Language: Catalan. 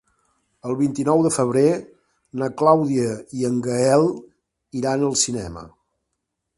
El vint-i-nou de febrer na Clàudia i en Gaël iran al cinema.